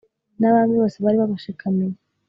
n'abami bose bari babashikamiye